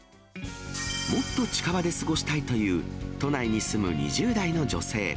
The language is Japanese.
もっと近場で過ごしたいという、都内に住む２０代の女性。